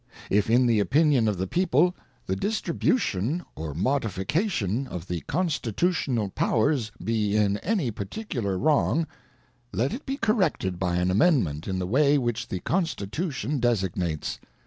If in the opinion of the People, the distribu tion or modification of the Constitutional powers be in any particular wrong, let it be corrected by an amendment in the way which the Constitution designates.